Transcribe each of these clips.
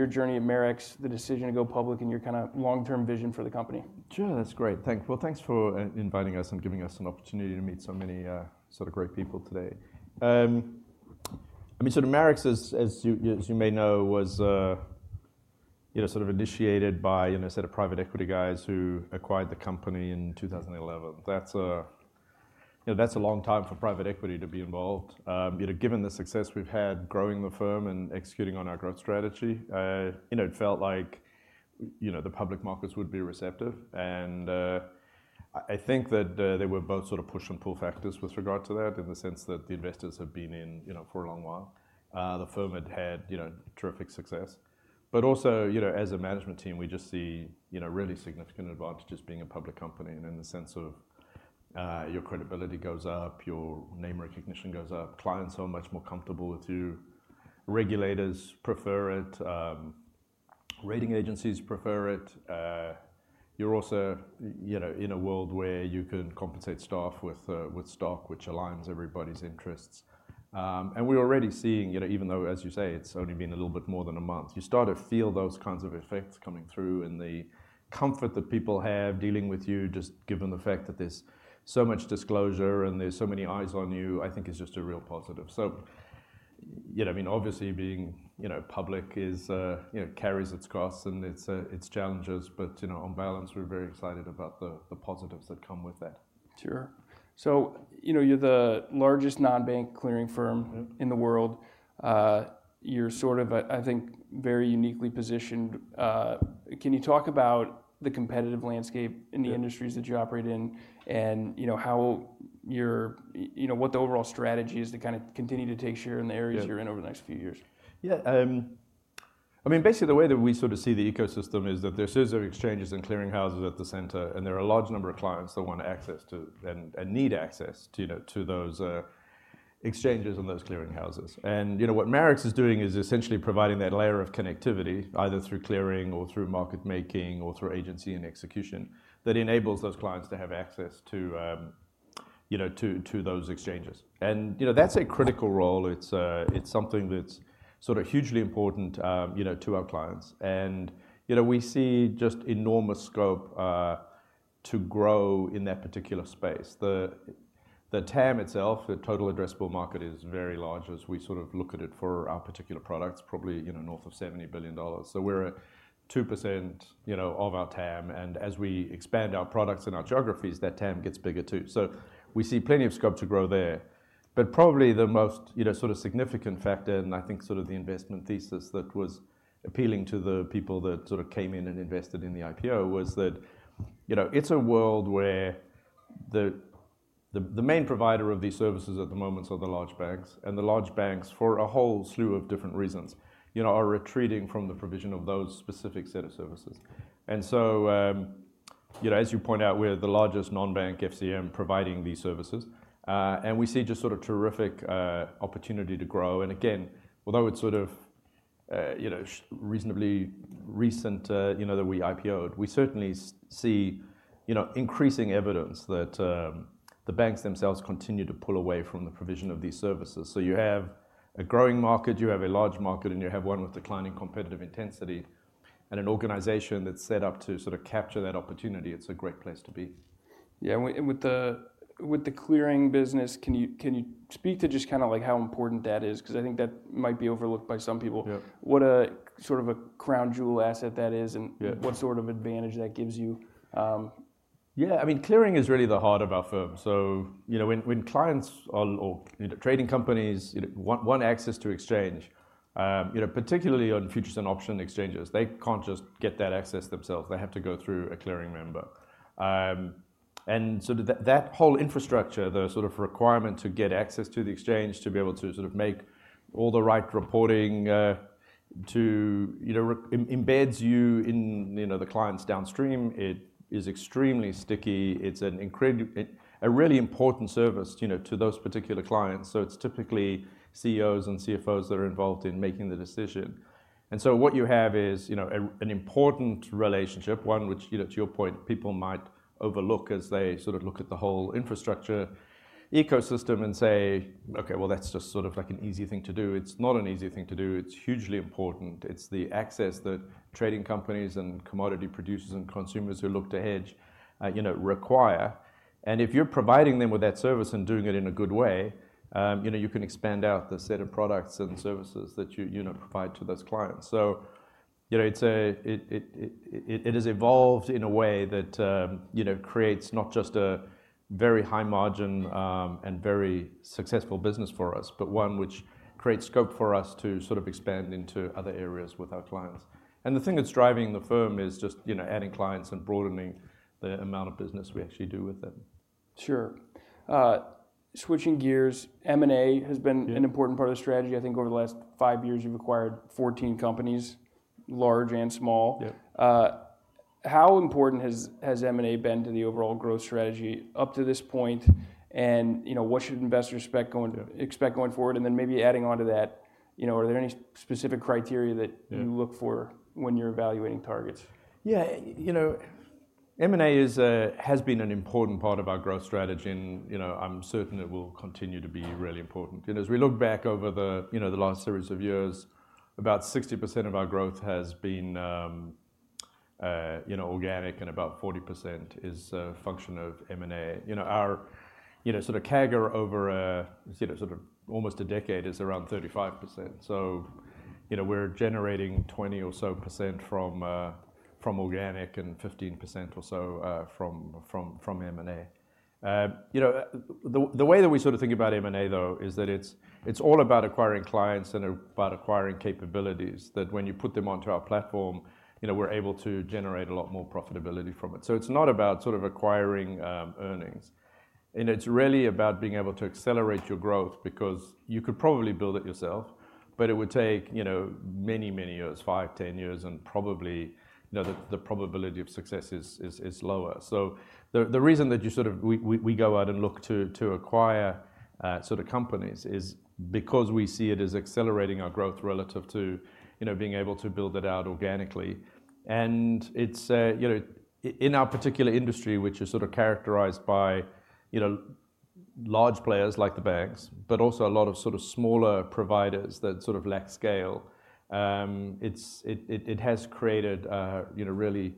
your journey at Marex, the decision to go public, and your kinda long-term vision for the company. Sure, that's great. Well, thanks for inviting us and giving us an opportunity to meet so many sort of great people today. I mean, so Marex, as you may know, was you know, sort of initiated by you know, a set of private equity guys who acquired the company in 2011. That's you know, that's a long time for private equity to be involved. You know, given the success we've had growing the firm and executing on our growth strategy, you know, it felt like you know, the public markets would be receptive. And I think that there were both sort of push and pull factors with regard to that, in the sense that the investors had been in you know, for a long while. The firm had had, you know, terrific success. But also, you know, as a management team, we just see, you know, really significant advantages being a public company. And in the sense of, your credibility goes up, your name recognition goes up, clients are much more comfortable with you, regulators prefer it, rating agencies prefer it. You're also, you know, in a world where you can compensate staff with with stock, which aligns everybody's interests. And we're already seeing, you know, even though, as you say, it's only been a little bit more than a month, you start to feel those kinds of effects coming through in the comfort that people have dealing with you, just given the fact that there's so much disclosure and there's so many eyes on you, I think is just a real positive. So, you know, I mean, obviously being, you know, public is, you know, carries its costs and its, its challenges, but, you know, on balance, we're very excited about the, the positives that come with that. Sure. So, you know, you're the largest non-bank clearing firm- Mm. in the world. You're sort of, I, I think, very uniquely positioned. Can you talk about the competitive landscape in the- Yeah... industries that you operate in? And you know, how you're, you know, what the overall strategy is to kind of continue to take share in the areas- Yeah you're in over the next few years? Yeah, I mean, basically the way that we sort of see the ecosystem is that there's fewer exchanges and clearing houses at the center, and there are a large number of clients that want access to, and need access to, you know, to those exchanges and those clearing houses. And you know, what Marex is doing is essentially providing that layer of connectivity, either through clearing or through market making, or through agency and execution, that enables those clients to have access to, you know, to those exchanges. And, you know, that's a critical role. It's something that's sort of hugely important, you know, to our clients. And, you know, we see just enormous scope to grow in that particular space. The TAM itself, the Total Addressable Market, is very large as we sort of look at it for our particular products, probably, you know, north of $70 billion. So we're at 2%, you know, of our TAM, and as we expand our products and our geographies, that TAM gets bigger too. So we see plenty of scope to grow there. But probably the most, you know, sort of significant factor, and I think sort of the investment thesis that was appealing to the people that sort of came in and invested in the IPO, was that, you know, it's a world where the main provider of these services at the moment are the large banks, and the large banks, for a whole slew of different reasons, you know, are retreating from the provision of those specific set of services. And so, you know, as you point out, we're the largest non-bank FCM providing these services. And we see just sort of terrific opportunity to grow. And again, although it's sort of, you know, reasonably recent, you know, that we IPO'd, we certainly see increasing evidence that the banks themselves continue to pull away from the provision of these services. So you have a growing market, you have a large market, and you have one with declining competitive intensity, and an organization that's set up to sort of capture that opportunity. It's a great place to be. Yeah, and with the clearing business, can you speak to just kinda like how important that is? 'Cause I think that might be overlooked by some people. Yeah. What a sort of a crown jewel asset that is- Yeah... and what sort of advantage that gives you? Yeah, I mean, clearing is really the heart of our firm. So you know, when clients or you know, trading companies, you know, want access to exchange, you know, particularly on futures and option exchanges, they can't just get that access themselves. They have to go through a clearing member. And so that whole infrastructure, the sort of requirement to get access to the exchange, to be able to sort of make all the right reporting, to you know, embeds you in you know, the clients downstream. It is extremely sticky. It's an incredibly important service, you know, to those particular clients. So it's typically CEOs and CFOs that are involved in making the decision. What you have is, you know, an important relationship, one which, you know, to your point, people might overlook as they sort of look at the whole infrastructure ecosystem and say, "Okay, well, that's just sort of like an easy thing to do." It's not an easy thing to do, it's hugely important. It's the access that trading companies and commodity producers, and consumers who look to hedge, you know, require. If you're providing them with that service and doing it in a good way, you know, you can expand out the set of products and services that you, you know, provide to those clients. So you know, it is evolved in a way that, you know, creates not just a very high margin, and very successful business for us, but one which creates scope for us to sort of expand into other areas with our clients. And the thing that's driving the firm is just, you know, adding clients and broadening the amount of business we actually do with them. Sure. Switching gears, M&A has been- Yeah... an important part of the strategy. I think over the last five years you've acquired 14 companies, large and small. Yeah. How important has M&A been to the overall growth strategy up to this point? And, you know, what should investors expect going- Yeah ...expect going forward? And then maybe adding on to that, you know, are there any specific criteria that- Yeah... you look for when you're evaluating targets? Yeah, M&A is, has been an important part of our growth strategy, and, you know, I'm certain it will continue to be really important. As we look back over the, you know, the last series of years, about 60% of our growth has been, you know, organic, and about 40% is a function of M&A. You know, our, you know, sort of CAGR over, sort of almost a decade is around 35%. So, you know, we're generating 20% or so from organic and 15% or so from M&A. You know, the way that we sort of think about M&A, though, is that it's all about acquiring clients and about acquiring capabilities, that when you put them onto our platform, you know, we're able to generate a lot more profitability from it. So it's not about sort of acquiring earnings. And it's really about being able to accelerate your growth, because you could probably build it yourself, but it would take, you know, many, many years, five, 10 years, and probably, you know, the probability of success is lower. So the reason we go out and look to acquire sort of companies is because we see it as accelerating our growth relative to, you know, being able to build it out organically. And it's, you know, in our particular industry, which is sort of characterized by, you know, large players like the banks, but also a lot of sort of smaller providers that sort of lack scale, it has created, you know, really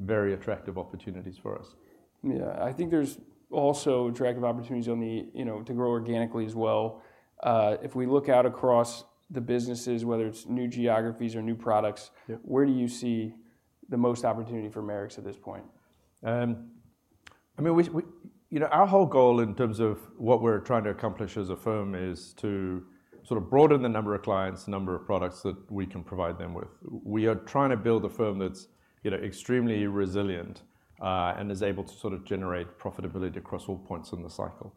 very attractive opportunities for us. Yeah, I think there's also attractive opportunities on the, you know, to grow organically as well. If we look out across the businesses, whether it's new geographies or new products- Yeah. Where do you see the most opportunity for Marex at this point? I mean, we, you know, our whole goal in terms of what we're trying to accomplish as a firm is to sort of broaden the number of clients, the number of products that we can provide them with. We are trying to build a firm that's, you know, extremely resilient, and is able to sort of generate profitability across all points in the cycle.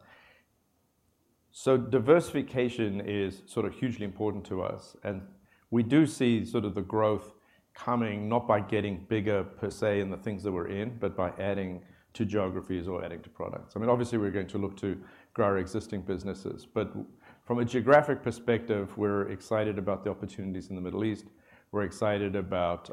So diversification is sort of hugely important to us, and we do see sort of the growth coming, not by getting bigger per se in the things that we're in, but by adding to geographies or adding to products. I mean, obviously, we're going to look to grow our existing businesses, but from a geographic perspective, we're excited about the opportunities in the Middle East. We're excited about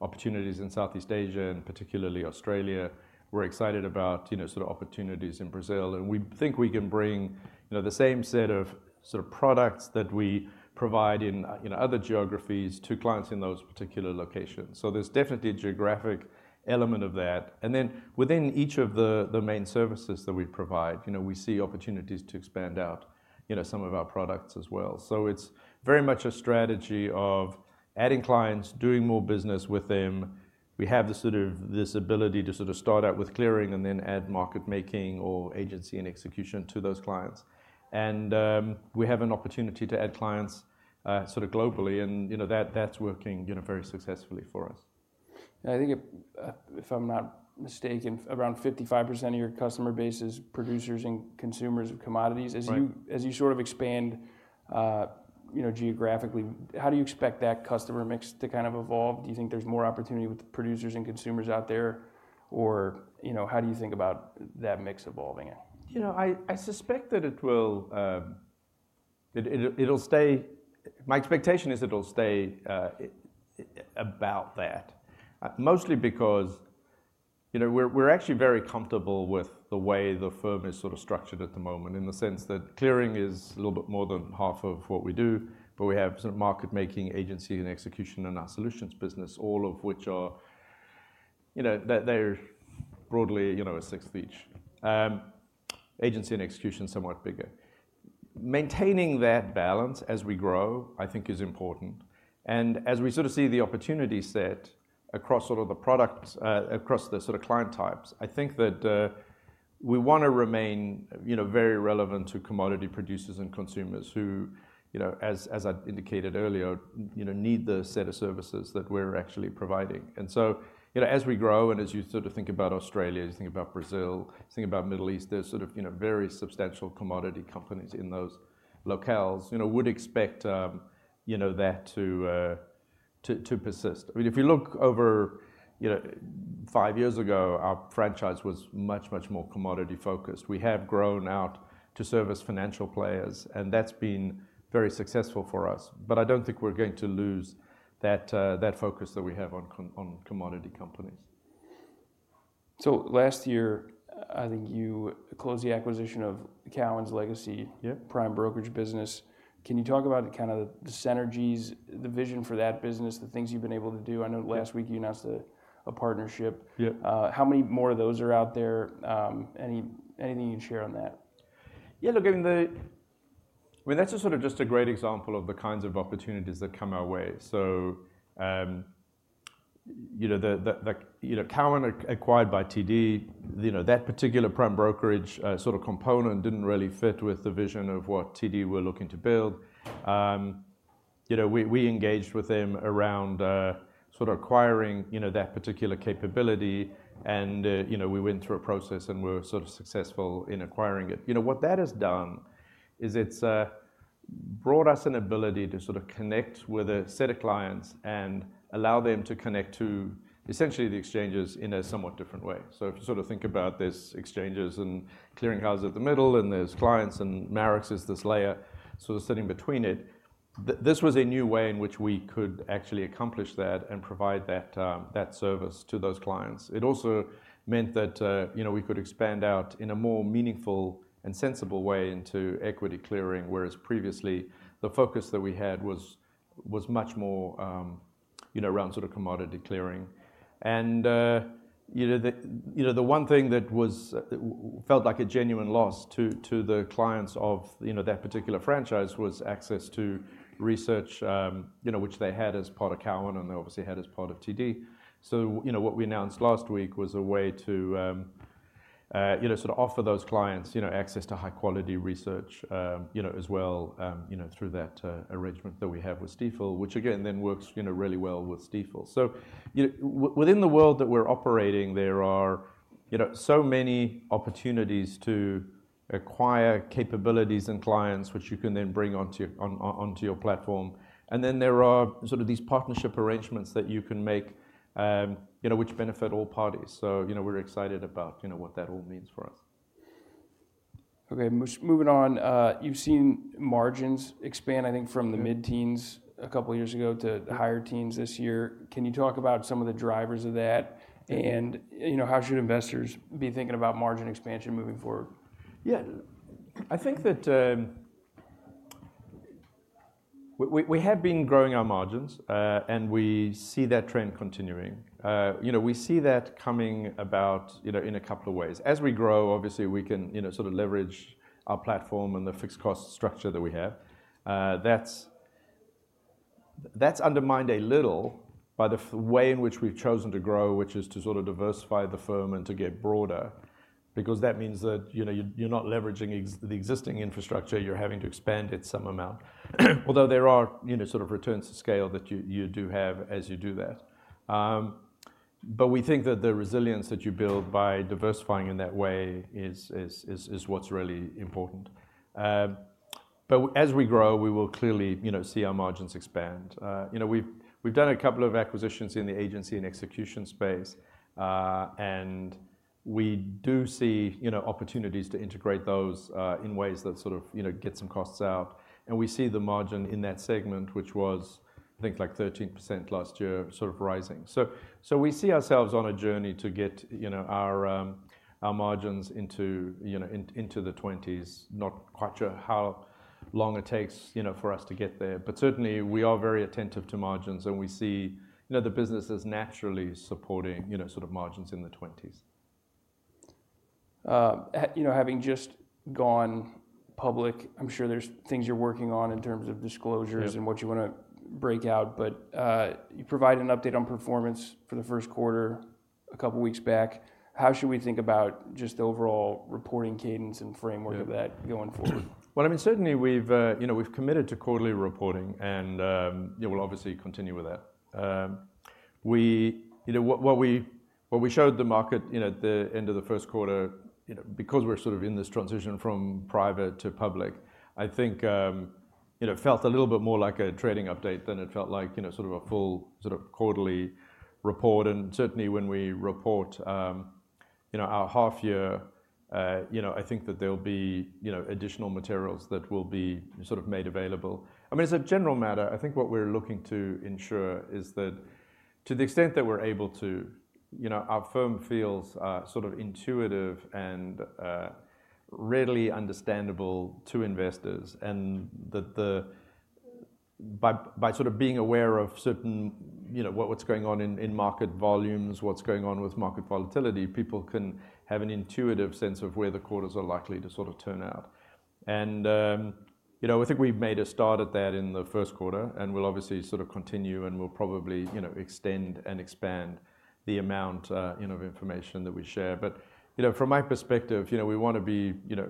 opportunities in Southeast Asia, and particularly Australia. We're excited about, you know, sort of opportunities in Brazil, and we think we can bring, you know, the same set of sort of products that we provide in, you know, other geographies to clients in those particular locations. So there's definitely a geographic element of that. And then, within each of the main services that we provide, you know, we see opportunities to expand out, you know, some of our products as well. So it's very much a strategy of adding clients, doing more business with them. We have this sort of, this ability to sort of start out with clearing and then add market making or agency and execution to those clients. And, we have an opportunity to add clients, sort of globally, and, you know, that, that's working, you know, very successfully for us. I think, if I'm not mistaken, around 55% of your customer base is producers and consumers of commodities. Right. As you sort of expand, you know, geographically, how do you expect that customer mix to kind of evolve? Do you think there's more opportunity with the producers and consumers out there, or, you know, how do you think about that mix evolving it? You know, I suspect that it will, it'll stay. My expectation is it'll stay, about that. Mostly because, you know, we're actually very comfortable with the way the firm is sort of structured at the moment, in the sense that clearing is a little bit more than half of what we do, but we have some market making, agency and execution in our solutions business, all of which are, you know, they're broadly, you know, a sixth each. Agency and execution is somewhat bigger. Maintaining that balance as we grow, I think is important. And as we sort of see the opportunity set across all of the products, across the sort of client types, I think that we want to remain, you know, very relevant to commodity producers and consumers who, you know, as I've indicated earlier, you know, need the set of services that we're actually providing. And so, you know, as we grow, and as you sort of think about Australia, you think about Brazil, you think about Middle East, there's sort of, you know, very substantial commodity companies in those locales, you know, would expect, you know, that to to persist. I mean, if you look over, you know, five years ago, our franchise was much, much more commodity focused. We have grown out to service financial players, and that's been very successful for us. But I don't think we're going to lose that, that focus that we have on commodity companies. Last year, I think you closed the acquisition of Cowen's legacy- Yeah... prime brokerage business. Can you talk about the kind of the synergies, the vision for that business, the things you've been able to do? Yeah. I know last week you announced a partnership. Yeah. How many more of those are out there? Anything you can share on that? Yeah, look, I mean, well, that's a sort of just a great example of the kinds of opportunities that come our way. So, you know, Cowen acquired by TD, you know, that particular prime brokerage sort of component didn't really fit with the vision of what TD were looking to build. You know, we engaged with them around sort of acquiring, you know, that particular capability, and, you know, we went through a process, and we were sort of successful in acquiring it. You know, what that has done is it's brought us an ability to sort of connect with a set of clients and allow them to connect to, essentially the exchanges in a somewhat different way. So to sort of think about this, exchanges and clearing houses at the middle, and there's clients, and Marex is this layer sort of sitting between it. This was a new way in which we could actually accomplish that and provide that service to those clients. It also meant that, you know, we could expand out in a more meaningful and sensible way into equity clearing, whereas previously, the focus that we had was much more, you know, around sort of commodity clearing. And, you know, the one thing that was felt like a genuine loss to the clients of that particular franchise was access to research, you know, which they had as part of Cowen, and they obviously had as part of TD. So, you know, what we announced last week was a way to, you know, sort of offer those clients, you know, access to high quality research, you know, as well, you know, through that arrangement that we have with Stifel. Which again, then works, you know, really well with Stifel. So, you know, within the world that we're operating, there are, you know, so many opportunities to acquire capabilities and clients, which you can then bring onto your platform. And then there are sort of these partnership arrangements that you can make, you know, which benefit all parties. So, you know, we're excited about, you know, what that all means for us. Okay, moving on, you've seen margins expand, I think- Yeah... from the mid-teens a couple years ago to the higher teens this year. Can you talk about some of the drivers of that? Yeah. You know, how should investors be thinking about margin expansion moving forward? Yeah. I think that, we have been growing our margins, and we see that trend continuing. You know, we see that coming about, you know, in a couple of ways. As we grow, obviously, we can, you know, sort of leverage our platform and the fixed cost structure that we have. That's, that's undermined a little by the way in which we've chosen to grow, which is to sort of diversify the firm and to get broader. Because that means that, you know, you're, you're not leveraging the existing infrastructure, you're having to expand it some amount. Although there are, you know, sort of returns to scale that you, you do have as you do that. But we think that the resilience that you build by diversifying in that way, is what's really important. But as we grow, we will clearly, you know, see our margins expand. You know, we've done a couple of acquisitions in the agency and execution space. And we do see, you know, opportunities to integrate those in ways that sort of, you know, get some costs out. And we see the margin in that segment, which was, I think, like 13% last year, sort of rising. So we see ourselves on a journey to get, you know, our margins into, you know, in, into the twenties. Not quite sure how long it takes, you know, for us to get there, but certainly, we are very attentive to margins, and we see, you know, the business is naturally supporting, you know, sort of margins in the twenties. You know, having just gone public, I'm sure there's things you're working on in terms of disclosures- Yeah... and what you wanna break out, but, you provided an update on performance for the first quarter, a couple weeks back. How should we think about just the overall reporting cadence and framework? Yeah... of that going forward? Well, I mean, certainly we've you know, we've committed to quarterly reporting, and yeah, we'll obviously continue with that. We you know, what we showed the market you know, at the end of the first quarter you know, because we're sort of in this transition from private to public, I think it felt a little bit more like a trading update than it felt like you know, sort of a full sort of quarterly report. And certainly, when we report you know, our half year you know, I think that there'll be you know, additional materials that will be sort of made available. I mean, as a general matter, I think what we're looking to ensure is that, to the extent that we're able to you know, our firm feels sort of intuitive and readily understandable to investors. And by sort of being aware of certain, you know, what's going on in market volumes, what's going on with market volatility, people can have an intuitive sense of where the quarters are likely to sort of turn out. And, you know, I think we've made a start at that in the first quarter, and we'll obviously sort of continue, and we'll probably, you know, extend and expand the amount, you know, of information that we share. But, you know, from my perspective, you know, we wanna be, you know,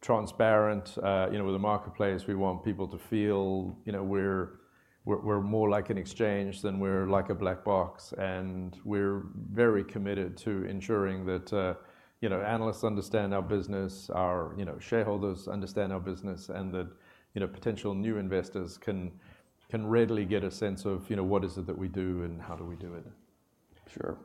transparent, you know, with the marketplace. We want people to feel, you know, we're more like an exchange than we're like a black box. We're very committed to ensuring that, you know, analysts understand our business, our, you know, shareholders understand our business, and that, you know, potential new investors can readily get a sense of, you know, what is it that we do and how do we do it. Sure.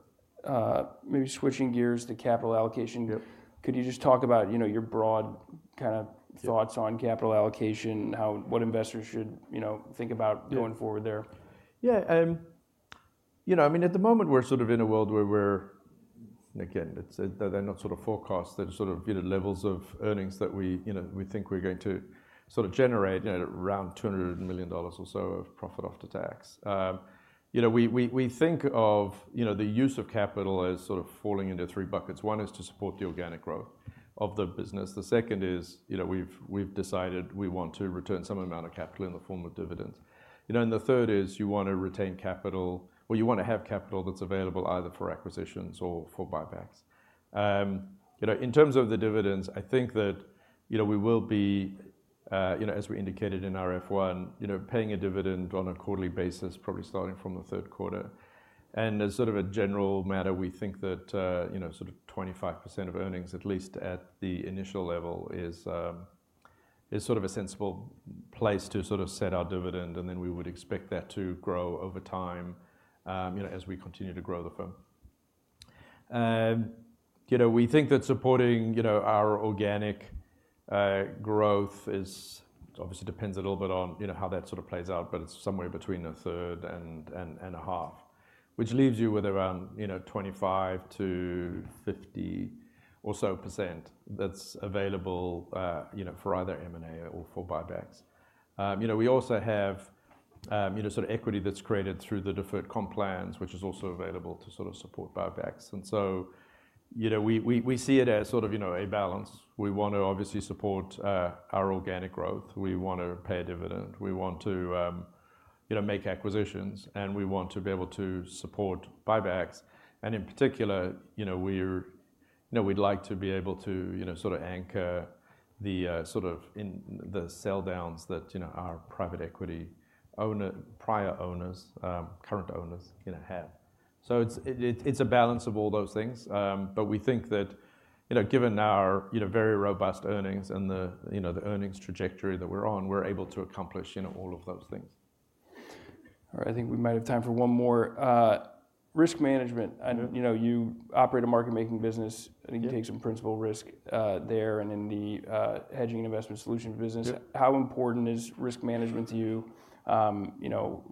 Maybe switching gears to capital allocation. Yep. Could you just talk about, you know, your broad kind of- Yeah... thoughts on capital allocation, how, what investors should, you know, think about- Yeah... going forward there? Yeah, you know, I mean, at the moment, we're sort of in a world where we're. Again, it's, they're not sort of forecasts. They're sort of, you know, levels of earnings that we, you know, we think we're going to sort of generate, you know, around $200 million or so of profit after tax. You know, we think of, you know, the use of capital as sort of falling into three buckets. One is to support the organic growth of the business. The second is, you know, we've decided we want to return some amount of capital in the form of dividends. You know, and the third is, you want to retain capital, or you want to have capital that's available either for acquisitions or for buybacks. You know, in terms of the dividends, I think that, you know, we will be, you know, as we indicated in our F-1, you know, paying a dividend on a quarterly basis, probably starting from the third quarter. And as sort of a general matter, we think that, you know, sort of 25% of earnings, at least at the initial level, is, is sort of a sensible place to sort of set our dividend, and then we would expect that to grow over time, you know, as we continue to grow the firm. You know, we think that supporting, you know, our organic, growth is obviously depends a little bit on, you know, how that sort of plays out, but it's somewhere between a third and a half. Which leaves you with around, you know, 25%-50% or so that's available, you know, for either M&A or for buybacks. You know, we also have, you know, sort of equity that's created through the deferred comp plans, which is also available to sort of support buybacks. And so, you know, we see it as sort of, you know, a balance. We want to obviously support our organic growth. We want to pay a dividend. We want to, you know, make acquisitions, and we want to be able to support buybacks. And in particular, you know, we're, you know, we'd like to be able to, you know, sort of anchor the sort of in the sell-downs that, you know, our private equity owner, prior owners, current owners, you know, have. So it's a balance of all those things. But we think that, you know, given our, you know, very robust earnings and the, you know, the earnings trajectory that we're on, we're able to accomplish, you know, all of those things. All right. I think we might have time for one more. Risk management- Mm-hmm. You know, you operate a market making business. Yeah. I think you take some principal risk there and in the hedging investment solution business. Yeah. How important is risk management to you? You know,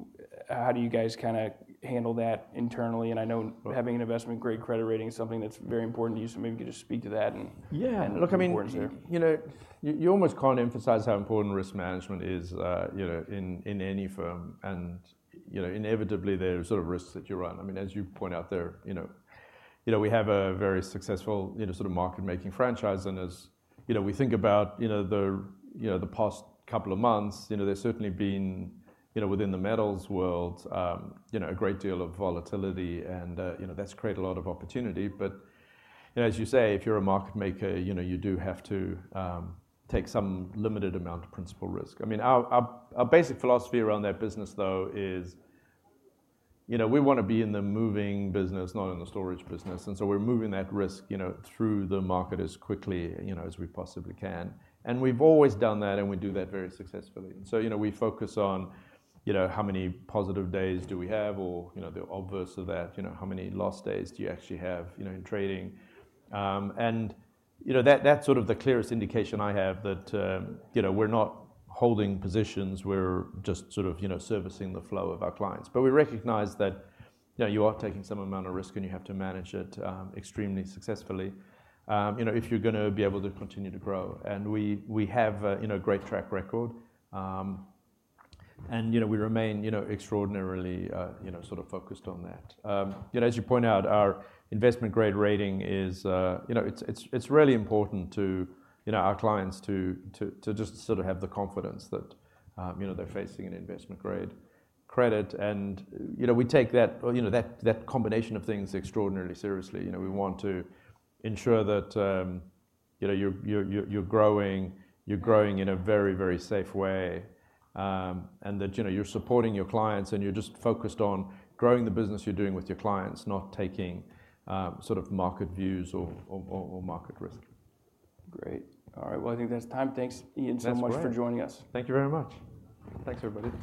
how do you guys kinda handle that internally? And I know- Well- having an investment-grade credit rating is something that's very important to you. So maybe you could just speak to that and- Yeah! and how important it is. Look, I mean, you know, you almost can't emphasize how important risk management is, you know, in any firm. And, you know, inevitably there are sort of risks that you run. I mean, as you point out there, you know, you know, we have a very successful, you know, sort of market making franchise. And as you know, we think about, you know, you know, the past couple of months, you know, there's certainly been, you know, within the metals world, a great deal of volatility, and, you know, that's created a lot of opportunity. But, you know, as you say, if you're a market maker, you know, you do have to take some limited amount of principal risk. I mean, our basic philosophy around that business, though, is, you know, we wanna be in the moving business, not in the storage business. And so we're moving that risk, you know, through the market as quickly, you know, as we possibly can. And we've always done that, and we do that very successfully. So, you know, we focus on, you know, how many positive days do we have or, you know, the obverse of that, you know, how many lost days do you actually have, you know, in trading? And you know, that, that's sort of the clearest indication I have that, you know, we're not holding positions, we're just sort of, you know, servicing the flow of our clients. But we recognize that, you know, you are taking some amount of risk, and you have to manage it extremely successfully, you know, if you're gonna be able to continue to grow. And we have a, you know, great track record. And, you know, we remain, you know, extraordinarily, you know, sort of focused on that. You know, as you point out, our investment-grade rating is, you know, it's really important to, you know, our clients to just sort of have the confidence that, you know, they're facing an investment-grade credit. And, you know, we take that, you know, that combination of things extraordinarily seriously. You know, we want to ensure that, you know, you're growing in a very, very safe way. And that, you know, you're supporting your clients, and you're just focused on growing the business you're doing with your clients, not taking, sort of market views or market risk. Great. All right, well, I think that's time. Thanks, Ian, so much- That's great. for joining us. Thank you very much. Thanks, everybody.